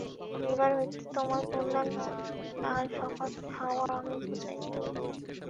এবার হইতে তোমার কল্যাণে তাহার স্বপাক খাওয়া আমি ঘোচাইব।